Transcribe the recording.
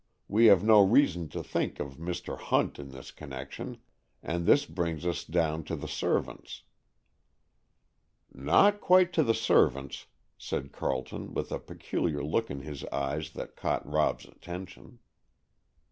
We have no reason to think of Mr. Hunt in this connection, and this brings us down to the servants." "Not quite to the servants," said Carleton, with a peculiar look in his eyes that caught Rob's attention.